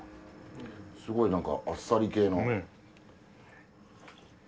すごいなんかあっさり系の。